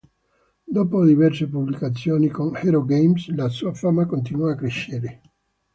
Dopo diverse pubblicazioni con Hero Games, la sua fama continuò a crescere.